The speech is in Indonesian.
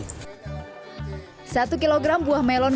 satu kg buah melon kualitas